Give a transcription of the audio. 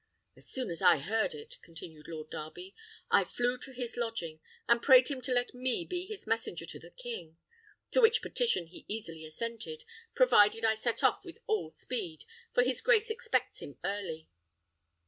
"As soon as I heard it," continued Lord Darby, "I flew to his lodging, and prayed him to let me be his messenger to the king, to which petition he easily assented, provided I set off with all speed, for his grace expects him early.